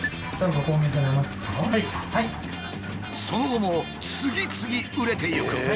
その後も次々売れていく。